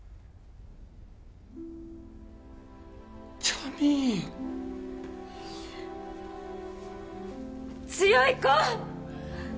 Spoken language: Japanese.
ジャミーン強い子！